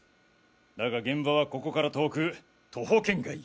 だが現場はここから遠く徒歩圏外。